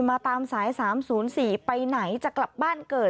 มาตามสาย๓๐๔ไปไหนจะกลับบ้านเกิด